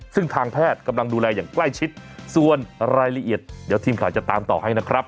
ซึ่งทางแพทย์กำลังดูแลอย่างใกล้ชิดส่วนรายละเอียดเดี๋ยวทีมข่าวจะตามต่อให้นะครับ